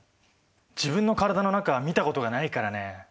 自分の体の中は見たことがないからね。